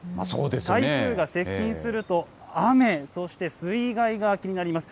台風が接近すると、雨、そして水害が気になります。